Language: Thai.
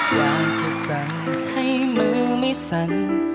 ว่าจะสั่งให้มือไม่สั่ง